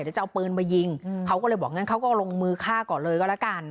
เดี๋ยวจะเอาปืนมายิงเขาก็เลยบอกงั้นเขาก็ลงมือฆ่าก่อนเลยก็แล้วกัน